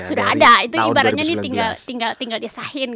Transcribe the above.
sudah ada itu ibaratnya ini tinggal disahin